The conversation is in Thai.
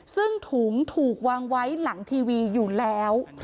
ซึ่งถุงถูกวางไว้หลังทีวีอยู่แล้ว